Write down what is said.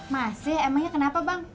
masih emangnya kenapa bang